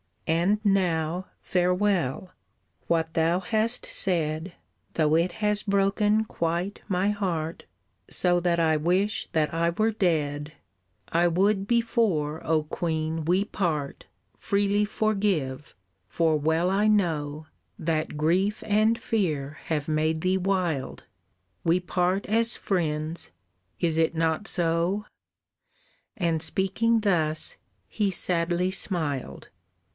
"And now farewell! What thou hast said, Though it has broken quite my heart, So that I wish that I were dead I would before, O Queen, we part Freely forgive, for well I know That grief and fear have made thee wild, We part as friends, is it not so?" And speaking thus, he sadly smiled.